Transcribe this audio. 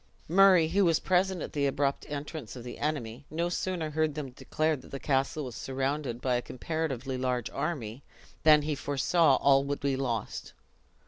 Murray, who was present at the abrupt entrance of the enemy, no sooner heard them declare that the castle was surrounded by a comparatively large army, than he foresaw all would be lost.